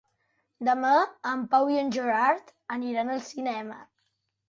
Demà en Pau i en Gerard aniran al cinema.